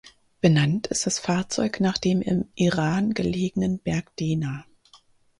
Benannt ist das Fahrzeug nach dem im Iran gelegenen Berg Dena.